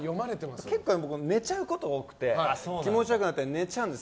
結構寝ちゃうことが多くて気持ちよくなると寝ちゃうんです。